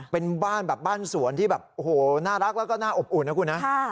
เป็นบ้านแบบบ้านสวนที่แบบโอ้โหน่ารักแล้วก็น่าอบอุ่นนะคุณนะ